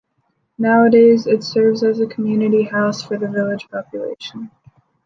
Nowadays, it serves as a community house for the village population.